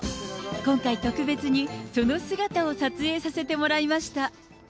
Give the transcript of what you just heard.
今回、特別にその姿を撮影させてもらいました。